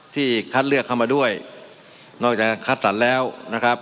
คัดเลือกเข้ามาด้วยนอกจากคัดสรรแล้วนะครับ